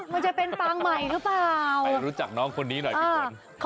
มันจะเป็นปางใหม่หรือเปล่าไปรู้จักน้องคนนี้หน่อยพี่ฝน